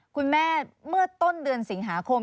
คุณแม่เมื่อต้นเดือนสิงหาคม